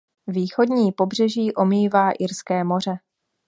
Východní pobřeží omývá Irské moře.